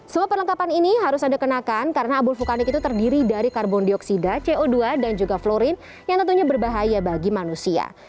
semua perlengkapan ini harus anda kenakan karena abu vulkanik itu terdiri dari karbon dioksida co dua dan juga florin yang tentunya berbahaya bagi manusia